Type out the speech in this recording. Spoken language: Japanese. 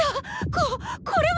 ここれは。